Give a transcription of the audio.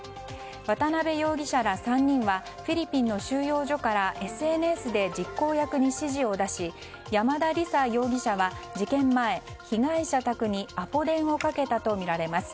渡辺容疑者ら３人はフィリピンの収容所からＳＮＳで実行役に指示を出し山田李沙容疑者は事件前被害者宅にアポ電をかけたとみられます。